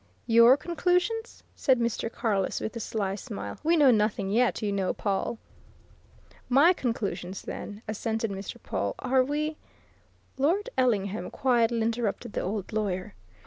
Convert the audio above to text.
"Your conclusions!" said Mr. Carless, with a sly smile. "We know nothing yet, you know, Pawle." "My conclusions, then," assented Mr. Pawle. "Are we " Lord Ellingham quietly interrupted the old lawyer.